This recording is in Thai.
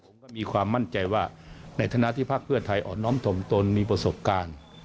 ผมก็มีความมั่นใจว่าในฐานะที่พักเพื่อไทยอ่อนน้อมถมตนมีประสบการณ์